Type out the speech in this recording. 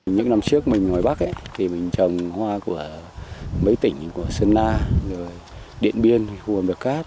những năm trước mình ở bắc mình trồng hoa của mấy tỉnh của sơn na điện biên khu vườn biệt cát